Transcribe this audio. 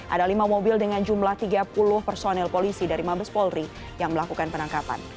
ada lima mobil dengan jumlah tiga puluh personil polisi dari mabes polri yang melakukan penangkapan